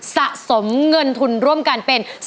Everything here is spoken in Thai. สะสมเงินทุนร่วมกันเป็น